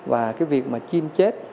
và cái việc mà chim chết